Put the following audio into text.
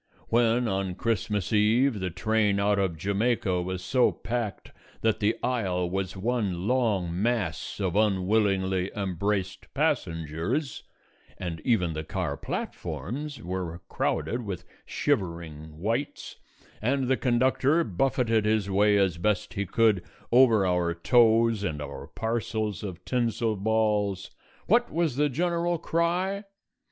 When, on Christmas Eve, the train out of Jamaica was so packed that the aisle was one long mass of unwillingly embraced passengers, and even the car platforms were crowded with shivering wights, and the conductor buffeted his way as best he could over our toes and our parcels of tinsel balls, what was the general cry?